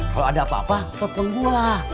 kalau ada apa apa tolong gue lah